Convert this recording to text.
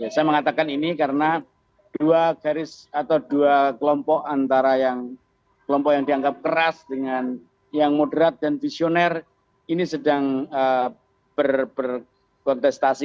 saya mengatakan ini karena dua garis atau dua kelompok antara kelompok yang dianggap keras dengan yang moderat dan visioner ini sedang berkontestasi